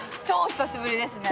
久しぶりですね。